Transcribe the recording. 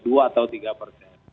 dua atau tiga persen